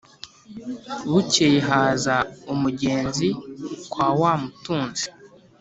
Bukeye haza umugenzi kwa wa mutunzi